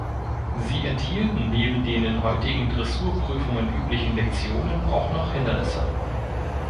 Sie enthielten neben den in heutigen Dressurprüfungen üblichen Lektionen auch noch Hindernisse.